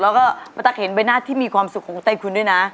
แล้วก็ป้าตั๊กเห็นใบหน้าที่มีความสุขของไต้คุณด้วยนะ